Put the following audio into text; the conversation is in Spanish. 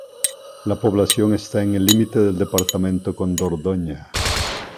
La población está en el límite del departamento con Dordoña.